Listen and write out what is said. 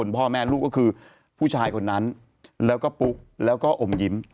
พ่อแม่ลูกก็คือผู้ชายคนนั้นแล้วก็ปุ๊กแล้วก็อมยิ้ม